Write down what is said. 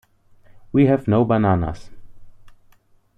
We Have No Bananas".